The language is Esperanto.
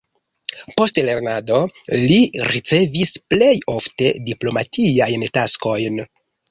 Post lernado li ricevis plej ofte diplomatiajn taskojn.